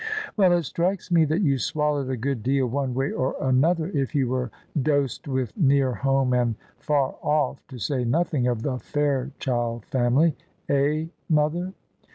"Well, it strikes me that you swallowed a good deal one way or another if you were dosed with Near Home and Far Off, to say nothing of The Fairchild Family. Eh, mother?"